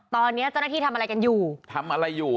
ตอนนี้เจ้าหน้าที่ทำอะไรกันอยู่ทำอะไรอยู่